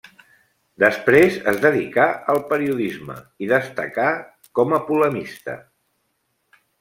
Després es dedicà al periodisme i destacà com a polemista.